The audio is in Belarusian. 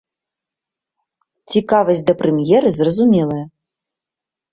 Цікавасць да прэм'еры зразумелая.